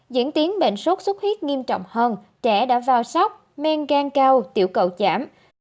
diễn tiến bệnh sốt sốt huyết nghiêm trọng hơn trẻ đã vào sóc men gan cao tiểu cầu chảm